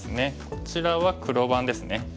こちらは黒番ですね。